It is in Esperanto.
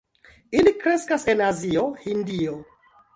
Ili kreskas en Azio, Hindio.